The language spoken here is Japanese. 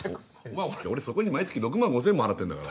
俺そこに毎月６万５０００円も払ってんだから。